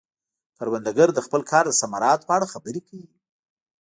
کروندګر د خپل کار د ثمراتو په اړه خبرې کوي